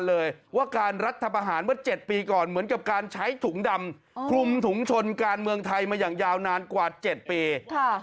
และชมถุงชนการเมืองไทยมาอย่างยาวนานกว่า๗ปี